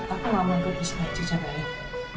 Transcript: aku sama bujur aja jagain